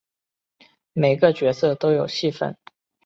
每个角色都有戏份